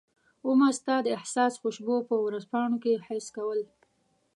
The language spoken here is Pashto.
امه ستا د احساس خوشبو په ورځپاڼو کي حس کول